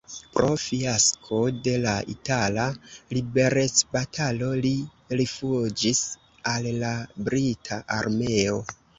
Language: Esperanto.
Pro fiasko de la itala liberecbatalo li rifuĝis al la brita armeo.